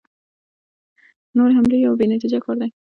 نورې حملې یو بې نتیجې کار دی.